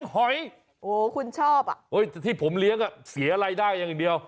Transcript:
หอยโอ้คุณชอบอ่ะที่ผมเลี้ยงเสียรายได้อย่างเดียว